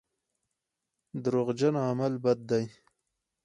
دروغجن عمل بد دی.